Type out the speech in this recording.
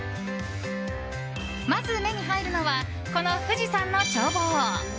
まず目に入るのはこの富士山の眺望。